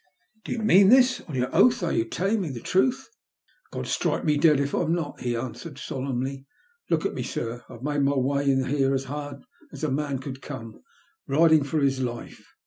"Do you mean this? On your oath, are you telling me the truth?" "God strike me dead it I'm not," he answered, solemnly. "Look at me, sir, I've made my way in here as hard as a man could come, riding for his life.